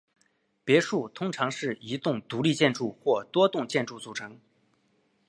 别墅通常是一栋独立建筑或多栋建筑组成。